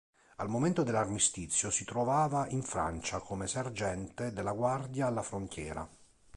Al momento dell'armistizio si trovava in Francia, come sergente della Guardia alla frontiera.